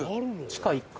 地下１階？